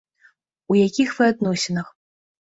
У якіх вы адносінах?